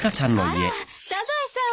あらサザエさん。